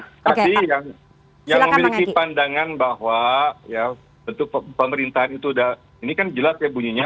pasti yang memiliki pandangan bahwa bentuk pemerintahan itu ini kan jelas ya bunyinya